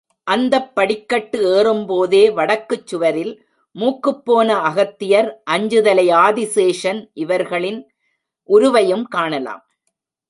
அந்தப் படிக்கட்டு ஏறும்போதே வடக்குச் சுவரில், மூக்குப்போன அகத்தியர், அஞ்சுதலை ஆதிசேஷன் இவர்களின் உருவையும் காணலாம்.